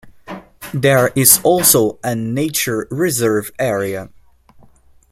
There is also a nature reserve area.